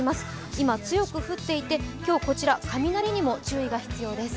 今、強く降っていて、今日こちら、雷にも注意が必要です。